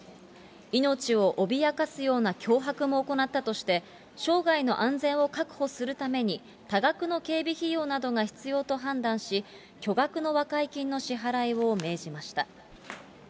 命を脅かすような脅迫も行ったとして、生涯の安全を確保するために多額の警備費用などが必要と判断し、巨額の和解金の支払いを命じました。